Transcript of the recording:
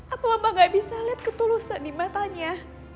apa mama gak bisa lihat ketulusan di matanya